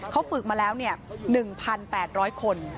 เขาฝึกมาแล้ว๑๘๐๐คน